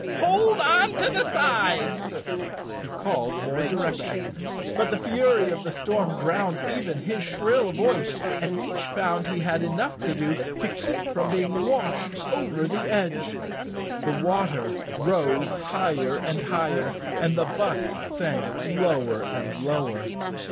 "Hold on to the sides." He called more di 192 Chapter Fourteen rections, but the fury of the storm drowned even his shrill voice, and each found he had enough to do to keep from being washed over the edge. The water rose higher and higher and the bus sank lower and lower.